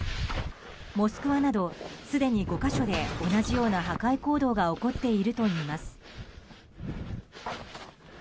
モスクワなど、すでに５か所で同じような破壊行動が起こっているといいます。